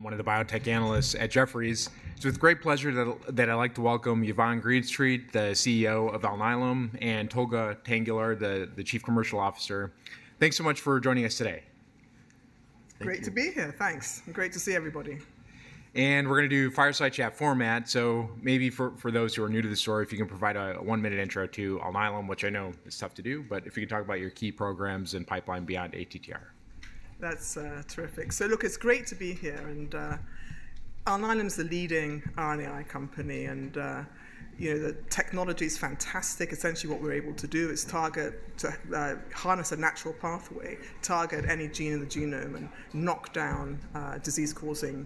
One of the biotech analysts at Jefferies. It's with great pleasure that I'd like to welcome Yvonne Greenstreet, the CEO of Alnylam, and Tolga Tanguler, the Chief Commercial Officer. Thanks so much for joining us today. Great to be here. Thanks. Great to see everybody. And we're going to do fireside chat format. So maybe for those who are new to the story, if you can provide a one-minute intro to Alnylam, which I know is tough to do, but if you can talk about your key programs and pipeline beyond ATTR? That's terrific. So look, it's great to be here. And Alnylam is the leading RNAi company. And the technology is fantastic. Essentially, what we're able to do is harness a natural pathway, target any gene in the genome, and knock down disease-causing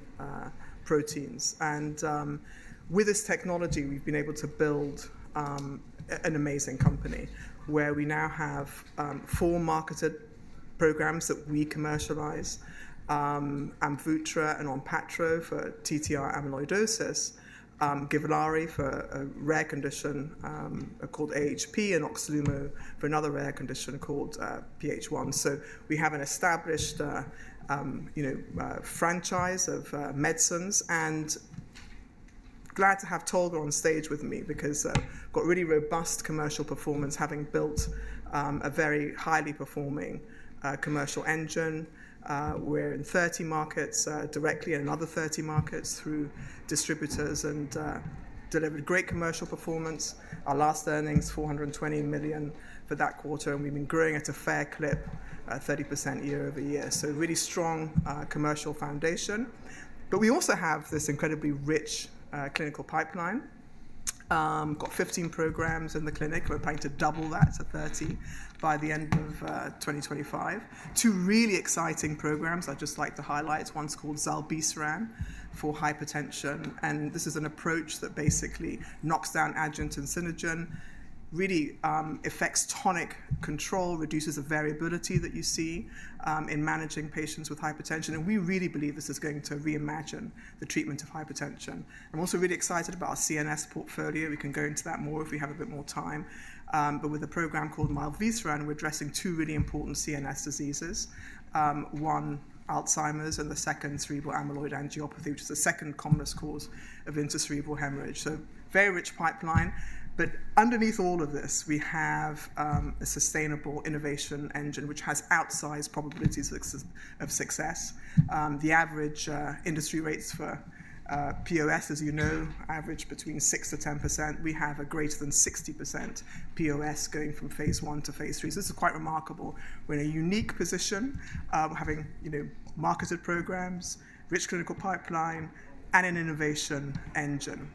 proteins. And with this technology, we've been able to build an amazing company where we now have four marketed programs that we commercialize: AMVUTTRA and Onpattro for TTR amyloidosis, GIVLAARI for a rare condition called AHP, and OXLUMO for another rare condition called PH1. So we have an established franchise of medicines. And glad to have Tolga on stage with me because we've got really robust commercial performance, having built a very highly performing commercial engine. We're in 30 markets directly and in other 30 markets through distributors and delivered great commercial performance. Our last earnings were $420 million for that quarter. We've been growing at a fair clip, 30% year over year. Really strong commercial foundation. We also have this incredibly rich clinical pipeline. We've got 15 programs in the clinic. We're planning to double that to 30 by the end of 2025. Two really exciting programs I'd just like to highlight, one's called zilebesiran for hypertension. This is an approach that basically knocks down angiotensinogen, really affects tonic control, reduces the variability that you see in managing patients with hypertension. We really believe this is going to reimagine the treatment of hypertension. I'm also really excited about our CNS portfolio. We can go into that more if we have a bit more time. With a program called mivelsiran, we're addressing two really important CNS diseases. One, Alzheimer's, and the second, cerebral amyloid angiopathy, which is the second commonest cause of intracerebral hemorrhage. So very rich pipeline. But underneath all of this, we have a sustainable innovation engine which has outsized probabilities of success. The average industry rates for POS, as you know, average between 6%-10%. We have a greater than 60% POS going from phase I to phase III. So this is quite remarkable. We're in a unique position, having marketed programs, rich clinical pipeline, and an innovation engine.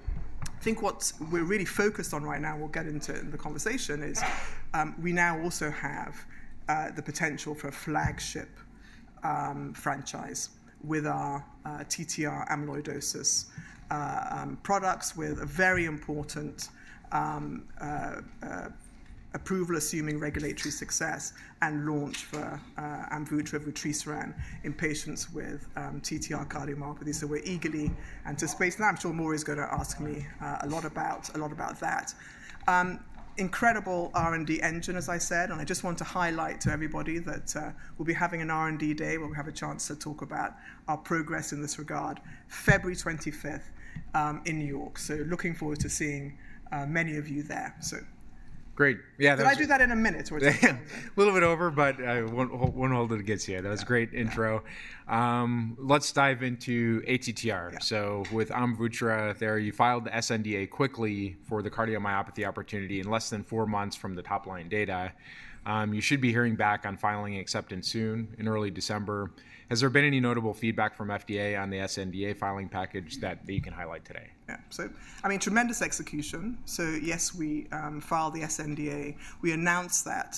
I think what we're really focused on right now, and we'll get into it in the conversation, is we now also have the potential for a flagship franchise with our TTR Amyloidosis products, with a very important approval, assuming regulatory success and launch for AMVUTTRA and vutrisiran in patients with TTR cardiomyopathy. So we're eagerly anticipating. And I'm sure Maury is going to ask me a lot about that. Incredible R&D engine, as I said. I just want to highlight to everybody that we'll be having an R&D Day where we'll have a chance to talk about our progress in this regard, February 25th in New York. Looking forward to seeing many of you there. Great. Yeah. Should I do that in a minute or two? A little bit over, but I won't hold it against you. That was a great intro. Let's dive into ATTR. So with AMVUTTRA there, you filed the sNDA quickly for the cardiomyopathy opportunity in less than four months from the top-line data. You should be hearing back on filing acceptance soon, in early December. Has there been any notable feedback from FDA on the sNDA filing package that you can highlight today? Yeah. So I mean, tremendous execution. So yes, we filed the sNDA. We announced that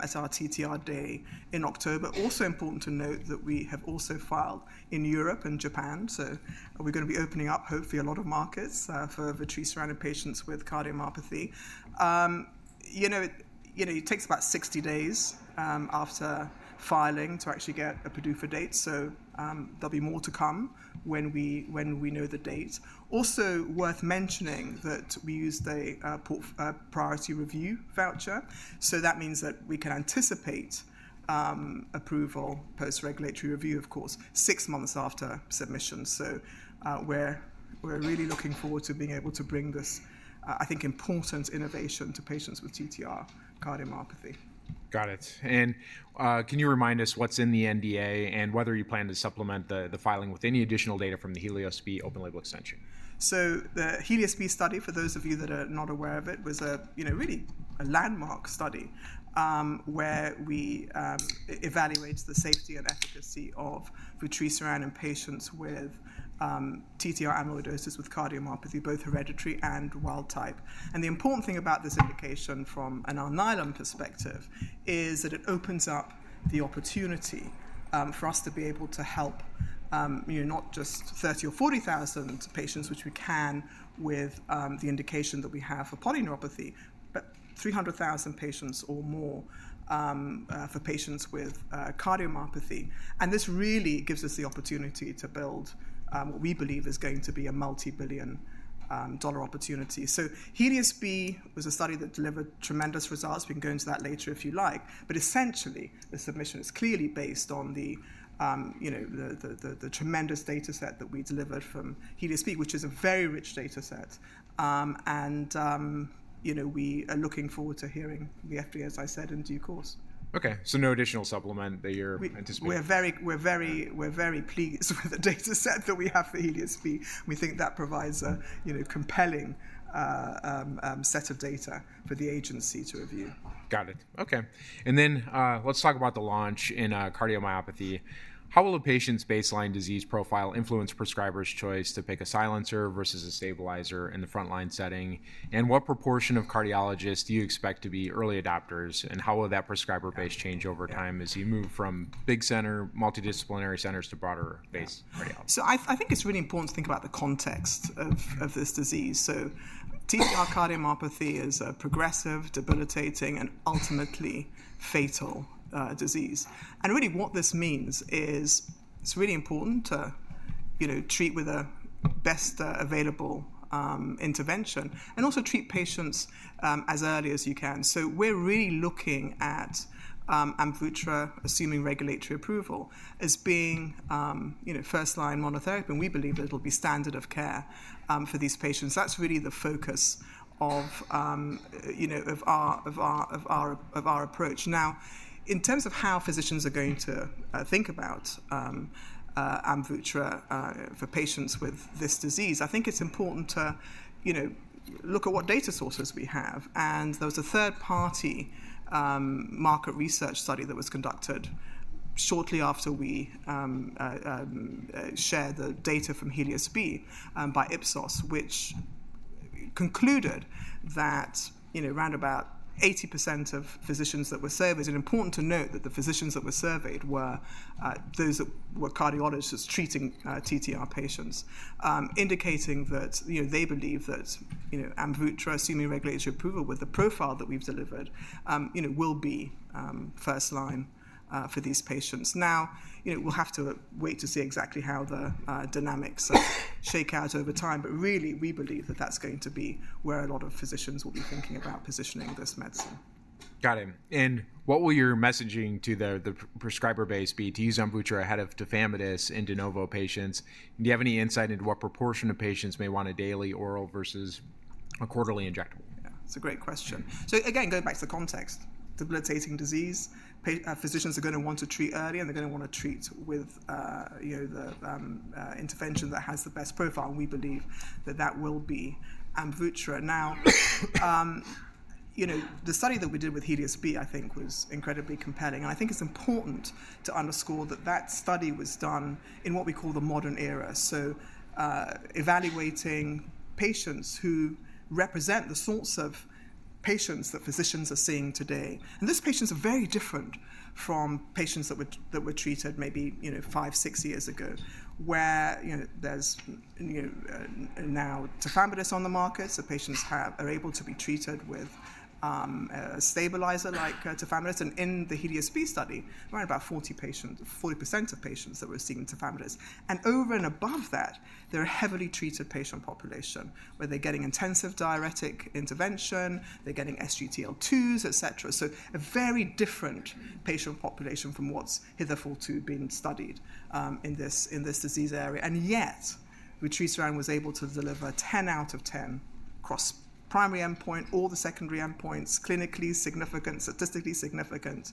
as our TTR Day in October. Also important to note that we have also filed in Europe and Japan. So we're going to be opening up, hopefully, a lot of markets for vutrisiran in patients with cardiomyopathy. It takes about 60 days after filing to actually get a PDUFA date. So there'll be more to come when we know the date. Also worth mentioning that we used a priority review voucher. So that means that we can anticipate approval post-regulatory review, of course, six months after submission. So we're really looking forward to being able to bring this, I think, important innovation to patients with TTR cardiomyopathy. Got it. And can you remind us what's in the NDA and whether you plan to supplement the filing with any additional data from the HELIOS-B open label extension? So the HELIOS-B study, for those of you that are not aware of it, was really a landmark study where we evaluate the safety and efficacy of vutrisiran in patients with TTR amyloidosis with cardiomyopathy, both hereditary and wild type. And the important thing about this indication from an Alnylam perspective is that it opens up the opportunity for us to be able to help not just 30,000 or 40,000 patients, which we can with the indication that we have for polyneuropathy, but 300,000 patients or more for patients with cardiomyopathy. And this really gives us the opportunity to build what we believe is going to be a multibillion-dollar opportunity. So HELIOS-B was a study that delivered tremendous results. We can go into that later if you like. But essentially, the submission is clearly based on the tremendous data set that we delivered from HELIOS-B, which is a very rich data set. And we are looking forward to hearing the FDA, as I said, in due course. OK, so no additional supplement that you're anticipating? We're very pleased with the data set that we have for HELIOS-B. We think that provides a compelling set of data for the agency to review. Got it. OK. And then let's talk about the launch in cardiomyopathy. How will a patient's baseline disease profile influence prescribers' choice to pick a silencer versus a stabilizer in the front-line setting? And what proportion of cardiologists do you expect to be early adopters? And how will that prescriber base change over time as you move from big center, multidisciplinary centers to broader base? I think it's really important to think about the context of this disease. TTR cardiomyopathy is a progressive, debilitating, and ultimately fatal disease. Really what this means is it's really important to treat with the best available intervention and also treat patients as early as you can. We're really looking at AMVUTTRA, assuming regulatory approval, as being first-line monotherapy. We believe that it'll be standard of care for these patients. That's really the focus of our approach. Now, in terms of how physicians are going to think about AMVUTTRA for patients with this disease, I think it's important to look at what data sources we have. There was a third-party market research study that was conducted shortly after we shared the data from HELIOS-B by Ipsos, which concluded that round about 80% of physicians that were surveyed. Important to note that the physicians that were surveyed were those that were cardiologists treating TTR patients, indicating that they believe that AMVUTTRA, assuming regulatory approval with the profile that we've delivered, will be first-line for these patients. Now, we'll have to wait to see exactly how the dynamics shake out over time. Really, we believe that that's going to be where a lot of physicians will be thinking about positioning this medicine. Got it. And what will your messaging to the prescriber base be to use AMVUTTRA ahead of tafamidis and de novo patients? Do you have any insight into what proportion of patients may want a daily oral versus a quarterly injectable? Yeah. That's a great question, so again, going back to the context, debilitating disease, physicians are going to want to treat early, and they're going to want to treat with the intervention that has the best profile, and we believe that that will be AMVUTTRA. Now, the study that we did with HELIOS-B, I think, was incredibly compelling, and I think it's important to underscore that that study was done in what we call the modern era, so evaluating patients who represent the sorts of patients that physicians are seeing today, and those patients are very different from patients that were treated maybe five, six years ago, where there's now tafamidis on the market, so patients are able to be treated with a stabilizer like tafamidis, and in the HELIOS-B study, around about 40% of patients that were receiving tafamidis. And over and above that, there are heavily treated patient populations, where they're getting intensive diuretic intervention. They're getting SGLT2s, et cetera. So a very different patient population from what's hitherto been studied in this disease area. And yet, vutrisiran was able to deliver 10 out of 10 across primary endpoint, all the secondary endpoints, clinically significant, statistically significant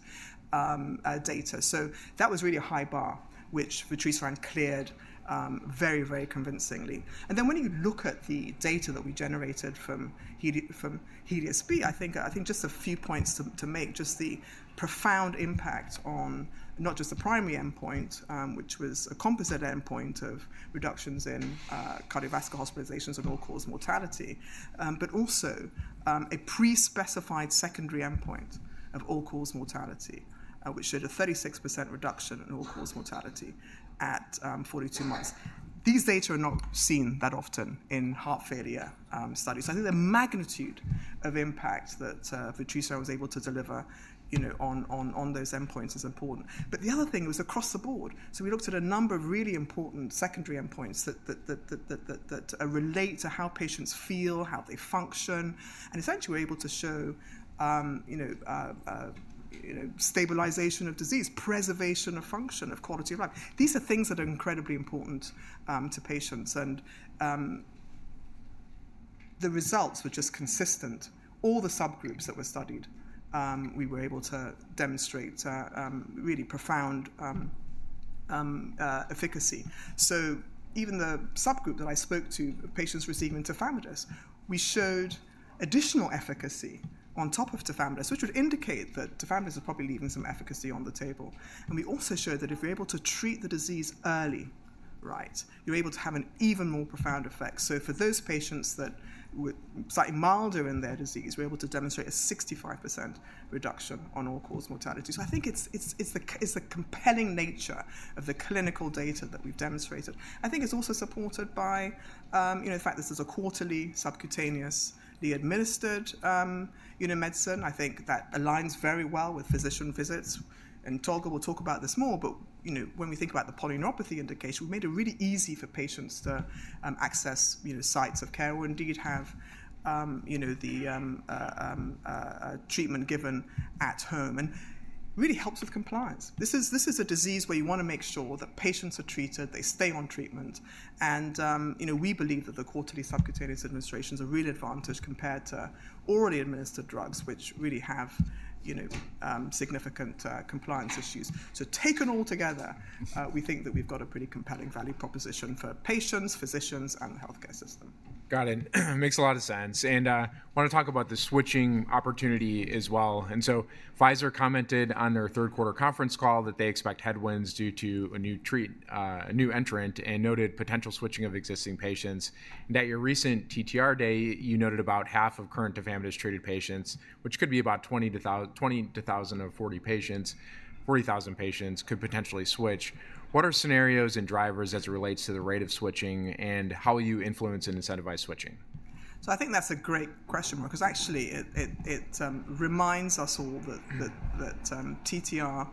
data. So that was really a high bar, which vutrisiran cleared very, very convincingly. And then when you look at the data that we generated from HELIOS-B, I think just a few points to make, just the profound impact on not just the primary endpoint, which was a composite endpoint of reductions in cardiovascular hospitalizations of all-cause mortality, but also a pre-specified secondary endpoint of all-cause mortality, which showed a 36% reduction in all-cause mortality at 42 months. These data are not seen that often in heart failure studies. So I think the magnitude of impact that vutrisiran was able to deliver on those endpoints is important. But the other thing was across the board. So we looked at a number of really important secondary endpoints that relate to how patients feel, how they function. And essentially, we're able to show stabilization of disease, preservation of function, of quality of life. These are things that are incredibly important to patients. And the results were just consistent. All the subgroups that were studied, we were able to demonstrate really profound efficacy. So even the subgroup that I spoke to, patients receiving tafamidis, we showed additional efficacy on top of tafamidis, which would indicate that tafamidis is probably leaving some efficacy on the table. And we also showed that if you're able to treat the disease early, right, you're able to have an even more profound effect. So for those patients that were slightly milder in their disease, we're able to demonstrate a 65% reduction on all-cause mortality. So I think it's the compelling nature of the clinical data that we've demonstrated. I think it's also supported by the fact this is a quarterly, subcutaneously administered medicine. I think that aligns very well with physician visits. And Tolga will talk about this more. But when we think about the polyneuropathy indication, we made it really easy for patients to access sites of care or indeed have the treatment given at home. And it really helps with compliance. This is a disease where you want to make sure that patients are treated, they stay on treatment. And we believe that the quarterly subcutaneous administrations are really advantaged compared to orally administered drugs, which really have significant compliance issues. So taken all together, we think that we've got a pretty compelling value proposition for patients, physicians, and the health care system. Got it. Makes a lot of sense. And I want to talk about the switching opportunity as well. And so Pfizer commented on their Q3 conference call that they expect headwinds due to a new entrant and noted potential switching of existing patients. And at your recent TTR Day, you noted about half of current tafamidis-treated patients, which could be about 20,000 of 40,000 patients, could potentially switch. What are scenarios and drivers as it relates to the rate of switching? And how will you influence and incentivize switching? I think that's a great question, Maury, because actually, it reminds us all that TTR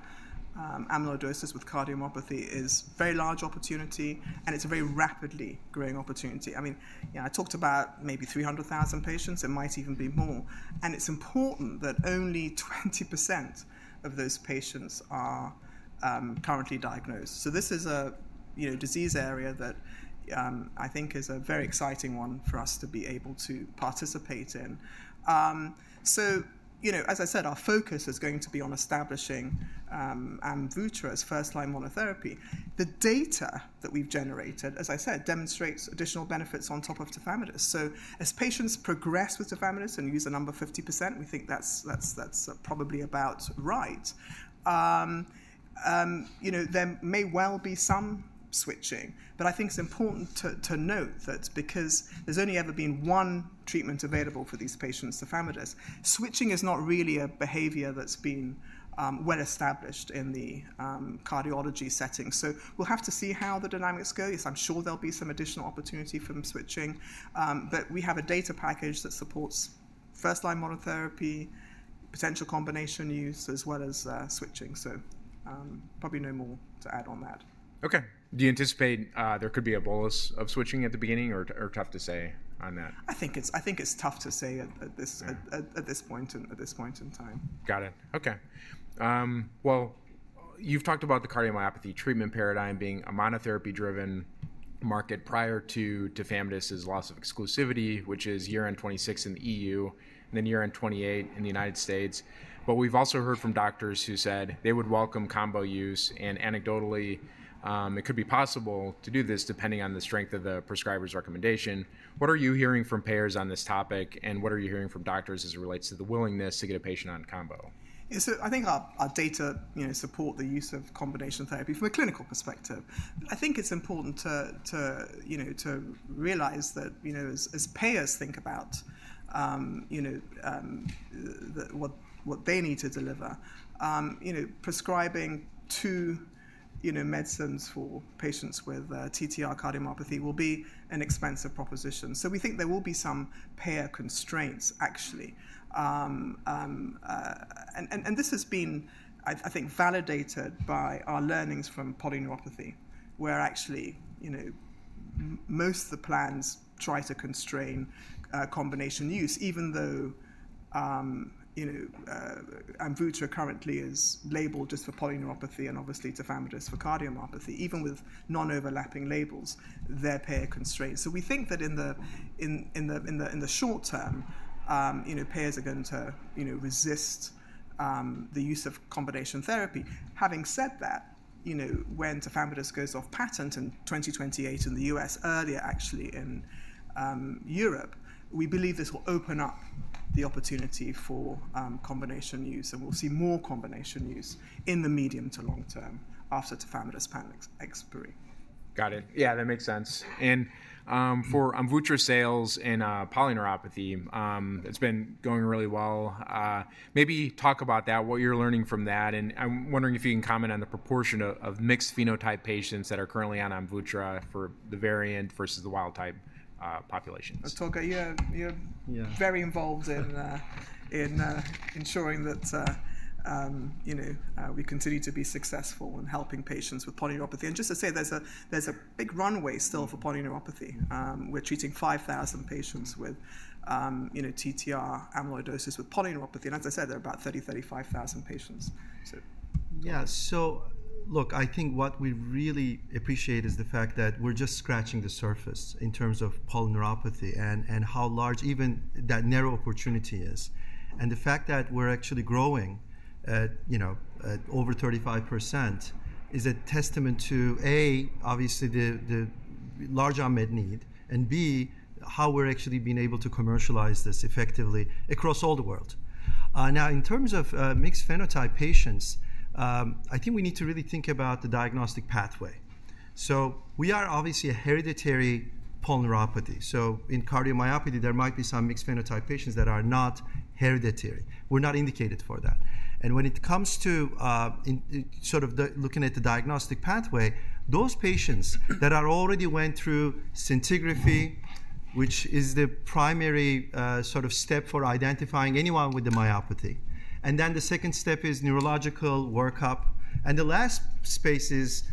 amyloidosis with cardiomyopathy is a very large opportunity. And it's a very rapidly growing opportunity. I mean, I talked about maybe 300,000 patients. It might even be more. And it's important that only 20% of those patients are currently diagnosed. So this is a disease area that I think is a very exciting one for us to be able to participate in. So as I said, our focus is going to be on establishing AMVUTTRA as first-line monotherapy. The data that we've generated, as I said, demonstrates additional benefits on top of tafamidis. So as patients progress with tafamidis and use the number 50%, we think that's probably about right. There may well be some switching. But I think it's important to note that because there's only ever been one treatment available for these patients, tafamidis, switching is not really a behavior that's been well established in the cardiology setting. So we'll have to see how the dynamics go. Yes, I'm sure there'll be some additional opportunity from switching. But we have a data package that supports first-line monotherapy, potential combination use, as well as switching. So probably no more to add on that. OK. Do you anticipate there could be a bolus of switching at the beginning, or tough to say on that? I think it's tough to say at this point and at this point in time. Got it. OK. Well, you've talked about the cardiomyopathy treatment paradigm being a monotherapy-driven market prior to tafamidis's loss of exclusivity, which is year-end 2026 in the EU and then year-end 2028 in the United States. But we've also heard from doctors who said they would welcome combo use. And anecdotally, it could be possible to do this depending on the strength of the prescriber's recommendation. What are you hearing from payers on this topic? And what are you hearing from doctors as it relates to the willingness to get a patient on combo? So I think our data support the use of combination therapy from a clinical perspective. But I think it's important to realize that as payers think about what they need to deliver, prescribing two medicines for patients with TTR cardiomyopathy will be an expensive proposition. So we think there will be some payer constraints, actually. And this has been, I think, validated by our learnings from polyneuropathy, where actually most of the plans try to constrain combination use, even though AMVUTTRA currently is labeled just for polyneuropathy and obviously tafamidis for cardiomyopathy, even with non-overlapping labels, they're payer constraints. So we think that in the short term, payers are going to resist the use of combination therapy. Having said that, when tafamidis goes off patent in 2028 in the U.S., earlier actually in Europe, we believe this will open up the opportunity for combination use. And we'll see more combination use in the medium to long term after tafamidis' patent expiry. Got it. Yeah, that makes sense. And for AMVUTTRA sales in polyneuropathy, it's been going really well. Maybe talk about that, what you're learning from that. And I'm wondering if you can comment on the proportion of mixed phenotype patients that are currently on AMVUTTRA for the variant versus the wild-type populations. Tolga, you're very involved in ensuring that we continue to be successful in helping patients with polyneuropathy. And just to say, there's a big runway still for polyneuropathy. We're treating 5,000 patients with TTR amyloidosis with polyneuropathy. And as I said, there are about 30,000-35,000 patients. Yeah. So look, I think what we really appreciate is the fact that we're just scratching the surface in terms of polyneuropathy and how large even that narrow opportunity is. And the fact that we're actually growing over 35% is a testament to, A, obviously the large unmet need, and B, how we're actually being able to commercialize this effectively across all the world. Now, in terms of mixed phenotype patients, I think we need to really think about the diagnostic pathway. So we are obviously a hereditary polyneuropathy. So in cardiomyopathy, there might be some mixed phenotype patients that are not hereditary. We're not indicated for that. And when it comes to sort of looking at the diagnostic pathway, those patients that already went through scintigraphy, which is the primary sort of step for identifying anyone with the cardiomyopathy. And then the second step is neurological workup. And the last space is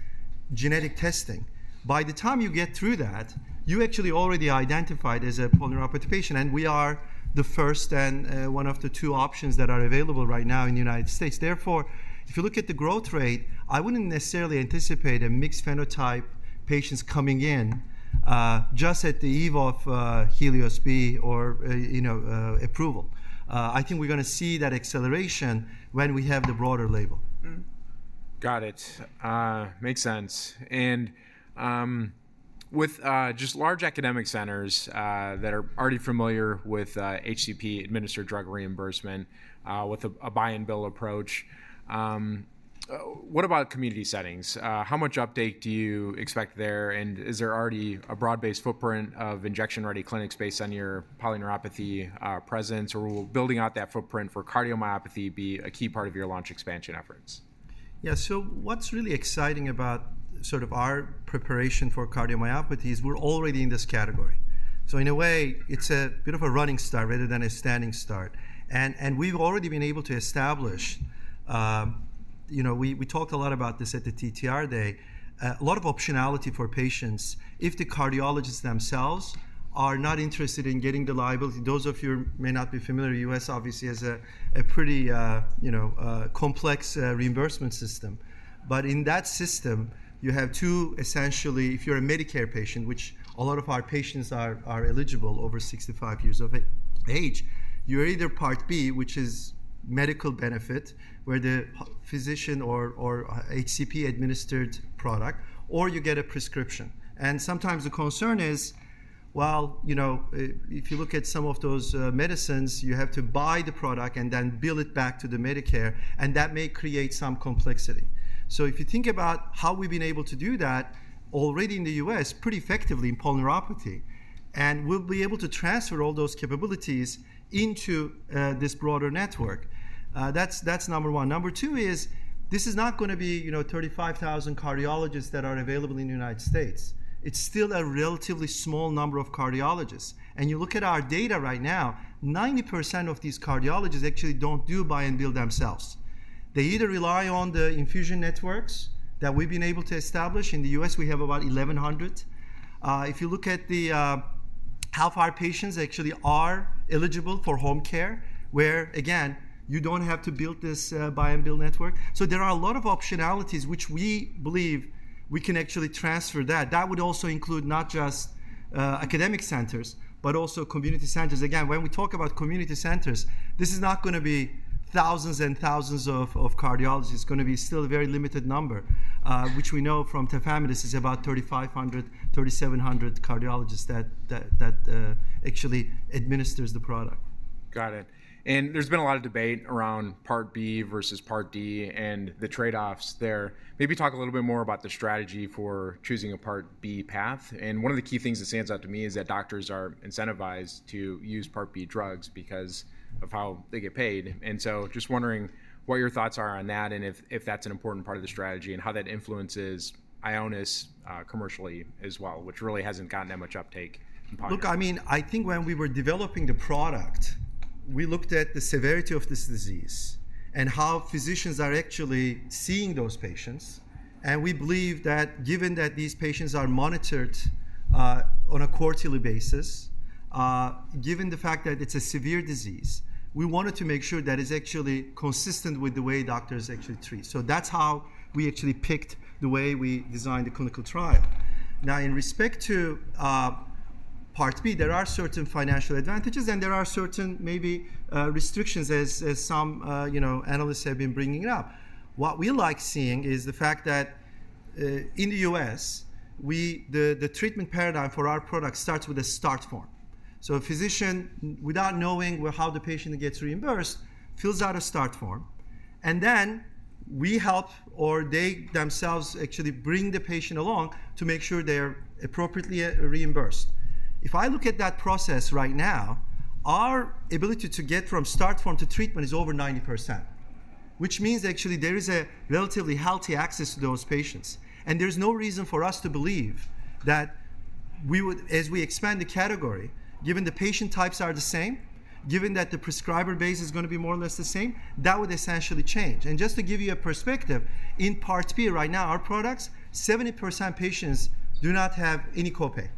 genetic testing. By the time you get through that, you actually already identified as a polyneuropathy patient. And we are the first and one of the two options that are available right now in the United States. Therefore, if you look at the growth rate, I wouldn't necessarily anticipate mixed phenotype patients coming in just at the eve of HELIOS-B or approval. I think we're going to see that acceleration when we have the broader label. Got it. Makes sense. And with just large academic centers that are already familiar with HCP administered drug reimbursement with a buy-and-bill approach, what about community settings? How much uptake do you expect there? And is there already a broad-based footprint of injection-ready clinics based on your polyneuropathy presence? Or will building out that footprint for cardiomyopathy be a key part of your launch expansion efforts? Yeah. So what's really exciting about sort of our preparation for cardiomyopathy is we're already in this category. So in a way, it's a bit of a running start rather than a standing start. And we've already been able to establish. We talked a lot about this at the TTR day, a lot of optionality for patients if the cardiologists themselves are not interested in getting the liability. Those of you who may not be familiar, the U.S. obviously has a pretty complex reimbursement system. But in that system, you have two, essentially, if you're a Medicare patient, which a lot of our patients are eligible over 65 years of age, you're either Part B, which is medical benefit, where the physician or HCP administered product, or you get a prescription. And sometimes the concern is, well, if you look at some of those medicines, you have to buy the product and then bill it back to Medicare. And that may create some complexity. So if you think about how we've been able to do that already in the U.S. pretty effectively in polyneuropathy, and we'll be able to transfer all those capabilities into this broader network. That's number one. Number two is this is not going to be 35,000 cardiologists that are available in the United States. It's still a relatively small number of cardiologists. And you look at our data right now, 90% of these cardiologists actually don't do buy-and-bill themselves. They either rely on the infusion networks that we've been able to establish. In the U.S., we have about 1,100. If you look at how far patients actually are eligible for home care, where, again, you don't have to build this buy-and-bill network, so there are a lot of optionalities, which we believe we can actually transfer that. That would also include not just academic centers, but also community centers. Again, when we talk about community centers, this is not going to be thousands and thousands of cardiologists. It's going to be still a very limited number, which we know from tafamidis is about 3,500-3,700 cardiologists that actually administers the product. Got it. And there's been a lot of debate around Part B versus Part D and the trade-offs there. Maybe talk a little bit more about the strategy for choosing a Part B path. And one of the key things that stands out to me is that doctors are incentivized to use Part B drugs because of how they get paid. And so just wondering what your thoughts are on that and if that's an important part of the strategy and how that influences Ionis commercially as well, which really hasn't gotten that much uptake in partnership. Look, I mean, I think when we were developing the product, we looked at the severity of this disease and how physicians are actually seeing those patients, and we believe that given that these patients are monitored on a quarterly basis, given the fact that it's a severe disease, we wanted to make sure that it's actually consistent with the way doctors actually treat, so that's how we actually picked the way we designed the clinical trial. Now, in respect to Part B, there are certain financial advantages, and there are certain maybe restrictions, as some analysts have been bringing up. What we like seeing is the fact that in the U.S., the treatment paradigm for our product starts with a start form, so a physician, without knowing how the patient gets reimbursed, fills out a start form. And then we help, or they themselves actually bring the patient along to make sure they're appropriately reimbursed. If I look at that process right now, our ability to get from start form to treatment is over 90%, which means actually there is a relatively healthy access to those patients. And there's no reason for us to believe that as we expand the category, given the patient types are the same, given that the prescriber base is going to be more or less the same, that would essentially change. And just to give you a perspective, in Part B right now, our products, 70% patients do not have any copay,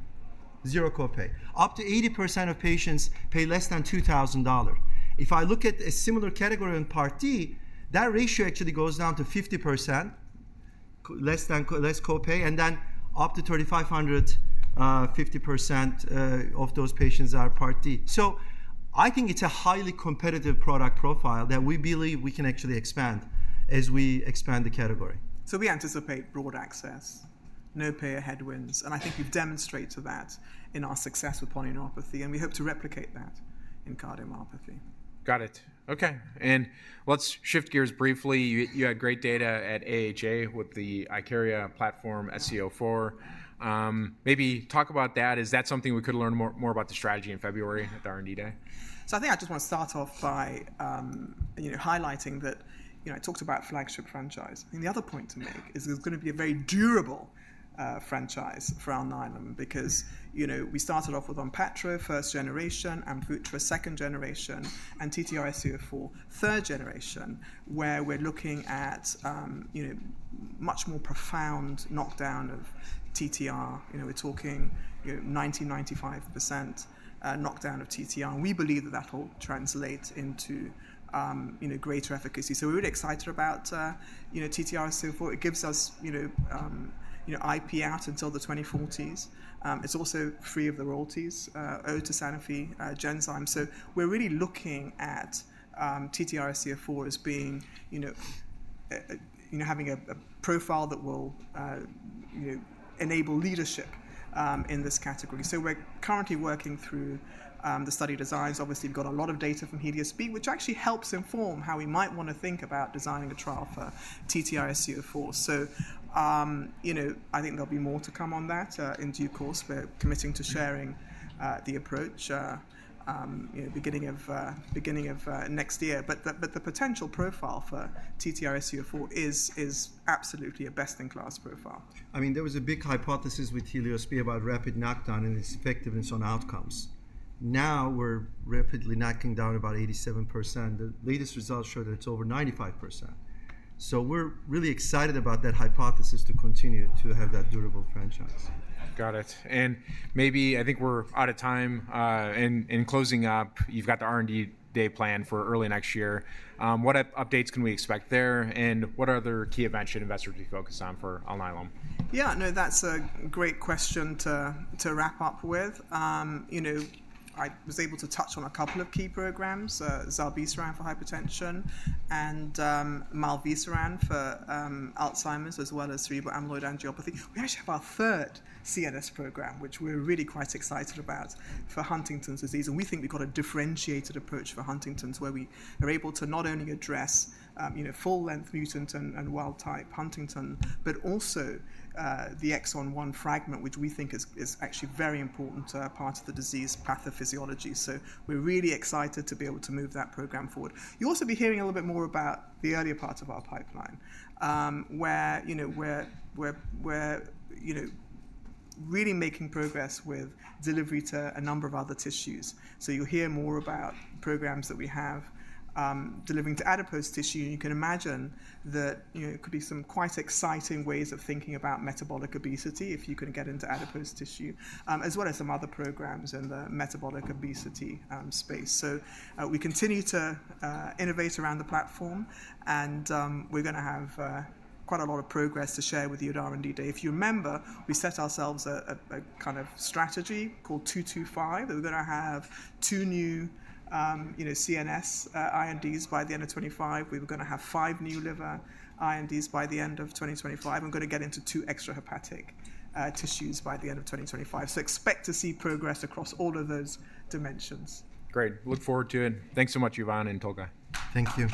zero copay. Up to 80% of patients pay less than $2,000. If I look at a similar category in Part D, that ratio actually goes down to 50%, less copay. And then up to 3,500, 50% of those patients are Part D. So I think it's a highly competitive product profile that we believe we can actually expand as we expand the category. So we anticipate broad access, no payer headwinds. And I think we've demonstrated that in our success with polyneuropathy. And we hope to replicate that in cardiomyopathy. Got it. OK, and let's shift gears briefly. You had great data at AHA with the Ikaria platform sc04. Maybe talk about that. Is that something we could learn more about the strategy in February at the R&D Day? So I think I just want to start off by highlighting that I talked about flagship franchise. And the other point to make is there's going to be a very durable franchise for our ATTR because we started off with Onpattro, first generation, AMVUTTRA, second generation, and TTRsc04, third generation, where we're looking at much more profound knockdown of TTR. We're talking 90%-95% knockdown of TTR. And we believe that that will translate into greater efficacy. So we're really excited about TTRsc04. It gives us IP out until the 2040s. It's also free of the royalties owed to Sanofi, Genzyme. So we're really looking at TTRsc04 as having a profile that will enable leadership in this category. So we're currently working through the study designs. Obviously, we've got a lot of data from HELIOS-B, which actually helps inform how we might want to think about designing a trial for TTRsc04. So I think there'll be more to come on that in due course. We're committing to sharing the approach beginning of next year. But the potential profile for TTRsc04 is absolutely a best-in-class profile. I mean, there was a big hypothesis with HELIOS-B about rapid knockdown and its effectiveness on outcomes. Now we're rapidly knocking down about 87%. The latest results show that it's over 95%. So we're really excited about that hypothesis to continue to have that durable franchise. Got it. And maybe I think we're out of time. In closing up, you've got the R&D Day planned for early next year. What updates can we expect there? And what other key events should investors be focused on for Alnylam? Yeah. No, that's a great question to wrap up with. I was able to touch on a couple of key programs, zilebesiran for hypertension and mivelsiran for Alzheimer's, as well as cerebral amyloid angiopathy. We actually have our third CNS program, which we're really quite excited about for Huntington's disease, and we think we've got a differentiated approach for Huntington's, where we are able to not only address full-length mutant and wild-type Huntington, but also the exon 1 fragment, which we think is actually a very important part of the disease pathophysiology, so we're really excited to be able to move that program forward. You'll also be hearing a little bit more about the earlier part of our pipeline, where we're really making progress with delivery to a number of other tissues, so you'll hear more about programs that we have delivering to adipose tissue. You can imagine that it could be some quite exciting ways of thinking about metabolic obesity if you can get into adipose tissue, as well as some other programs in the metabolic obesity space. We continue to innovate around the platform. We're going to have quite a lot of progress to share with you at R&D Day. If you remember, we set ourselves a kind of strategy called 2.2.5. We're going to have two new CNS INDs by the end of 2025. We were going to have five new liver INDs by the end of 2025. We're going to get into two extra hepatic tissues by the end of 2025. Expect to see progress across all of those dimensions. Great. Look forward to it. Thanks so much, Yvonne and Tolga. Thank you.